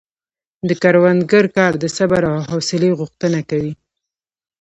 د کروندګر کار د صبر او حوصلې غوښتنه کوي.